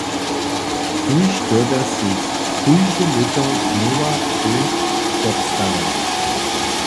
Tuž dyrbja sej kóžde lěto nowy zdónk wobstarać.